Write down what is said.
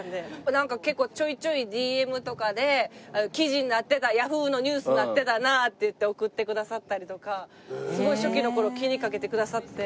なんか結構ちょいちょいＤＭとかで「記事になってたＹａｈｏｏ！のニュースになってたな」っていって送ってくださったりとかすごい初期の頃気にかけてくださって。